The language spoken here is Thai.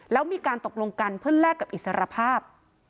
แล้วมีการตกลงกันเพื่อแลกกับอิสรภาพ